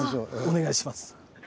お願いします。